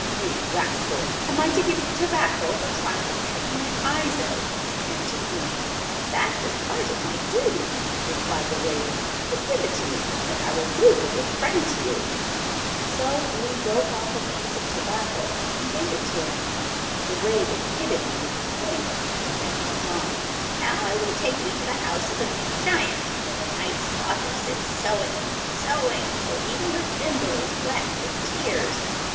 'You rascal! Am I to give you tobacco for trying to peck my eyes out?' answered Ian. 'That was part of my duty,' replied the raven; 'but give it to me, and I will prove a good friend to you.' So Ian broke off a piece of tobacco and gave it to him. The raven hid it under his wing, and then went on; 'Now I will take you to the house of the big giant, where the knight's daughter sits sewing, sewing, till even her thimble is wet with tears.